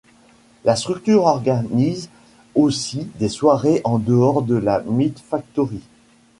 La structure organise aussi des soirées en dehors de la MeetFactory.